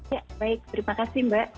ya baik terima kasih mbak